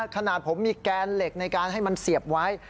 ขนาดผมมีแกนเหล็กในการให้มันเสียบไว้